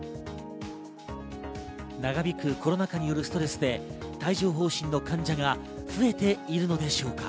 長引くコロナ禍によるストレスで帯状疱疹の患者が増えているのでしょうか？